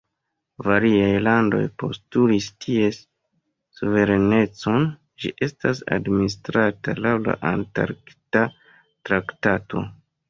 Variaj landoj postulis ties suverenecon; ĝi estas administrata laŭ la Antarkta traktato.